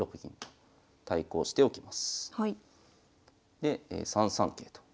で３三桂と。